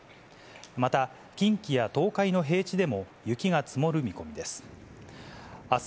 また、近畿や東海の平地でも雪が積もる見込みです。